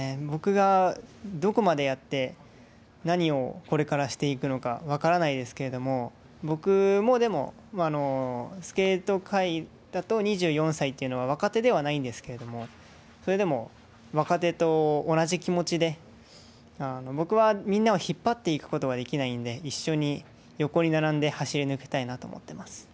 僕がどこまでやって何をこれからしていくのか分からないですけれども僕もでもスケート界だと２４歳というのは若手ではないんですけれどもそれでも若手と同じ気持ちで僕はみんなを引っ張っていくことはできないんで一緒に横に並んで走り抜けたいなと思っています。